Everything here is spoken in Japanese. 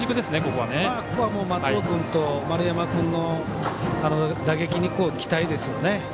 ここは松尾君、丸山君の打撃に期待ですよね。